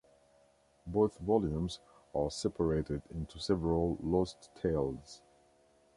Both volumes are separated into several "Lost Tales".